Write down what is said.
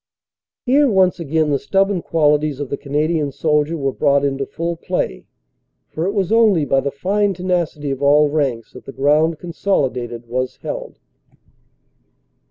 Here once again the stubborn qualities of the Canadian soldier were brought into full play, for it was only by the fine tenacity of all ranks that the ground consolidated was held.